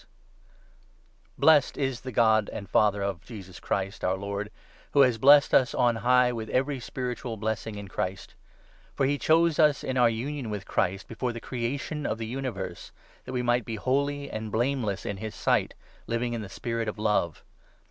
The Apostle's Blessed is the God and Father of Jesus Christ, 3 Ascription of our Lord, who has blessed us on high with every Praise. spiritual blessing, in Christ. For he chose us in 4 our union with Christ before the creation of the universe, that we might be holy and blameless in his sight, living in the spirit of love.